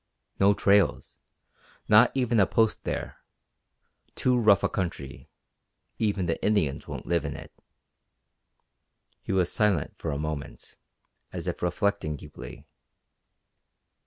No trails. Not even a Post there. Too rough a country. Even the Indians won't live in it." He was silent for a moment, as if reflecting deeply.